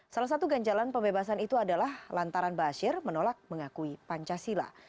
salah satu ganjalan pembebasan itu adalah lantaran ba'asyir menolak mengakui pancasila